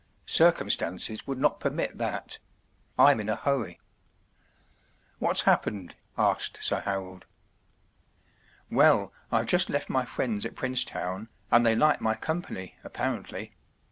Circumstances would not permit that. I’m in a hurry.” “ What’s happened ? ” asked Sir Harold. “ Well—I’ve just left my friends at Prince town, and they like my company, apparently.